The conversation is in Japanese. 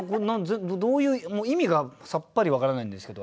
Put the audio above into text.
どういう意味がさっぱり分からないんですけど